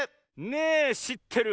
「ねぇしってる？」